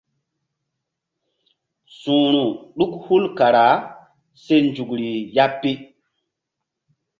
Su̧hru ɗuk hul kara se nzukri ya pi.